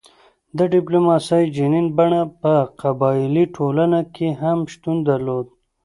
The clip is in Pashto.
د ډیپلوماسي جنین بڼه په قبایلي ټولنه کې هم شتون درلود